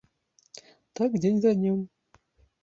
Так дзень за днём.